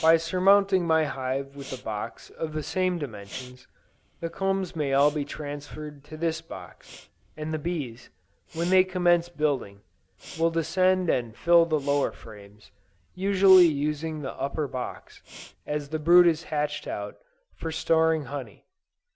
By surmounting my hive with a box of the same dimensions, the combs may all be transferred to this box, and the bees, when they commence building, will descend and fill the lower frames, gradually using the upper box, as the brood is hatched out, for storing honey.